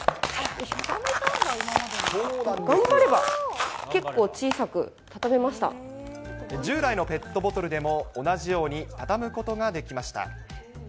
頑張れば、従来のペットボトルでも同じように畳むことができました。